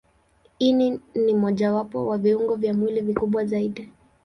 Ini ni mojawapo wa viungo vya mwili vikubwa zaidi.